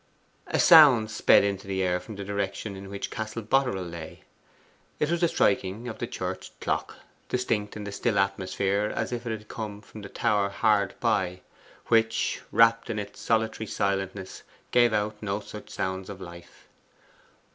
A sound sped into the air from the direction in which Castle Boterel lay. It was the striking of the church clock, distinct in the still atmosphere as if it had come from the tower hard by, which, wrapt in its solitary silentness, gave out no such sounds of life.